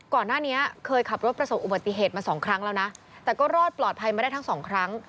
ก่อนหน้านี้เคยขับรถประสบอุบัติเหตุมาสองครั้งแล้วนะแต่ก็รอดปลอดภัยมาได้ทั้งสองครั้ง